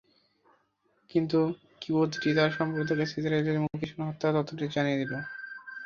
কিন্তু কিবতীটি তার সম্প্রদায়ের কাছে ইসরাঈলীর মুখে শোনা হত্যা তথ্যটি জানিয়ে দিল।